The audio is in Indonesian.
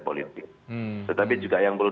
politik tetapi juga yang perlu